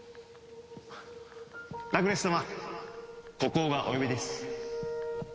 ラクレス様国王がお呼びです。